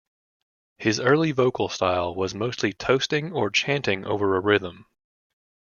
His early vocal style was mostly toasting or chanting over a rhythm.